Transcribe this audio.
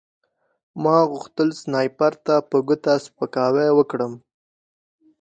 ما غوښتل سنایپر ته په ګوته سپکاوی وکړم